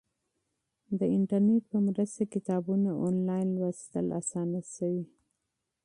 د انټرنیټ په مرسته کتابونه آنلاین لوستل اسانه شوي.